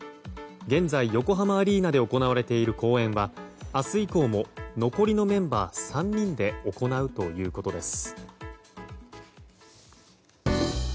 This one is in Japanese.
現在、横浜アリーナで行われている公演は明日以降も残りのメンバー３人で行うということです。